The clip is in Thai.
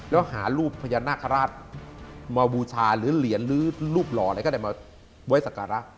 แล้วหารูปพญานาคาราชมาบูชาหรือเหรียญหรือรูปหล่ออะไรก็ได้มาไว้สักการะ